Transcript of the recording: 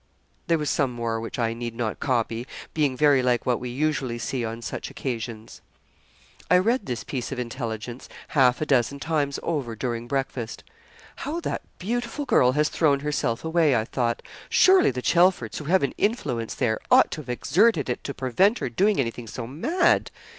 There was some more which I need not copy, being very like what we usually see on such occasions. I read this piece of intelligence half a dozen times over during breakfast. 'How that beautiful girl has thrown herself away!' I thought. 'Surely the Chelfords, who have an influence there, ought to have exerted it to prevent her doing anything so mad.